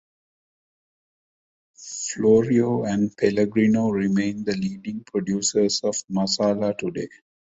Florio and Pellegrino remain the leading producers of Marsala today.